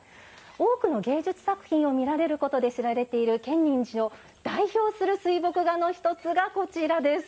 多くの芸術作品を見られることで知られている建仁寺を代表する水墨画の一つがこちらです。